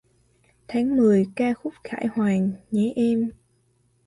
Tháng mười ca khúc khải hoàn... Nhé em!